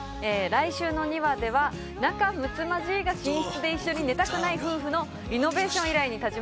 来週の２話では仲むつまじいが寝室で一緒に寝たくない夫婦のリノベーション依頼に立ち向かいます。